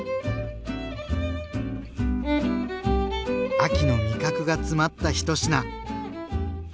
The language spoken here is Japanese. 秋の味覚が詰まった１品。